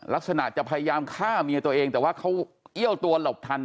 ลักษณะจะพยายามฆ่าเมียตัวเองแต่ว่าเขาเอี้ยวตัวหลบทัน